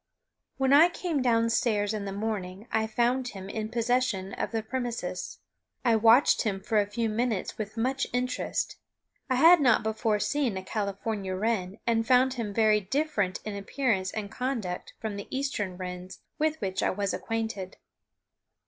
When I came down stairs in the morning I found him in possession of the premises. I watched him for a few minutes with much interest. I had not before seen a California wren, and found him very different in appearance and conduct from the eastern wrens with which I was acquainted.